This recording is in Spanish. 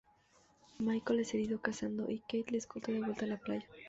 Michael es herido cazando, y Kate le escolta de vuelta a la playa.